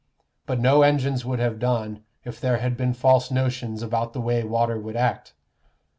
But no engines would have done, if there had been false notions about the way water would act.